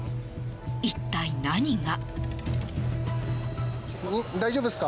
一体何が。